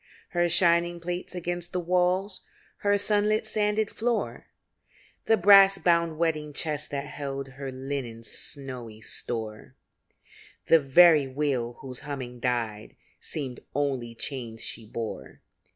Her shining plates against the walls, Her sunlit, sanded floor, The brass bound wedding chest that held Her linen's snowy store, The very wheel whose humming died, Seemed only chains she bore.